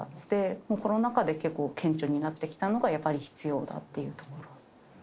コロナ禍で結構、顕著になってきたのがやっぱり必要だっていうところ。